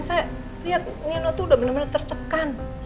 saya lihat nino tuh udah bener bener tertekan